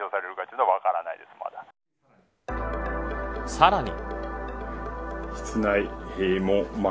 さらに。